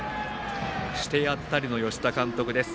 してやったりの吉田監督です。